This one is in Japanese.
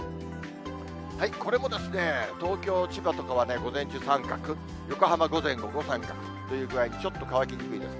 これもですね、東京、千葉とかは午前中三角、横浜、午前、午後、三角という具合にちょっと乾きにくいです。